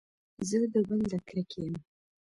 زه د بل د کرکې يم.